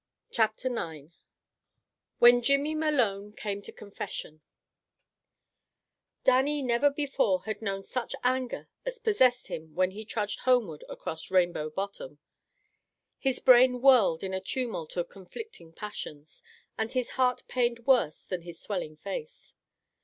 Chapter IX WHEN JIMMY MALONE CAME TO CONFESSION Dannie never before had known such anger as possessed him when he trudged homeward across Rainbow Bottom. His brain whirled in a tumult of conflicting passions, and his heart pained worse than his swelling face.